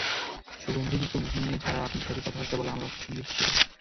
সুগন্ধিযুক্ত মুখ নিয়ে ছাড়া আপনার সাথে কথাবার্তা বলা আমার অপছন্দনীয় ছিল।